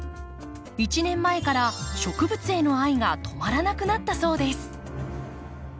１年前から植物への愛が止まらなくなったそうです。